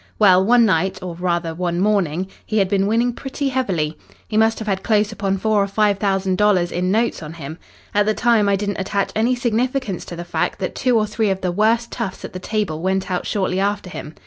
Well, one night, or rather one morning, he had been winning pretty heavily. He must have had close upon four or five thousand dollars in notes on him. At the time I didn't attach any significance to the fact that two or three of the worst toughs at the table went out shortly after him.